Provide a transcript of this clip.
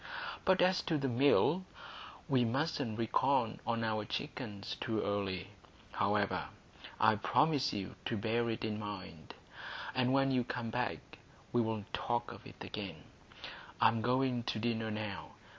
But as to this Mill, we mustn't reckon on our chickens too early. However, I promise you to bear it in mind, and when you come back we'll talk of it again. I am going to dinner now.